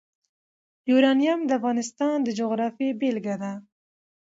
یورانیم د افغانستان د جغرافیې بېلګه ده.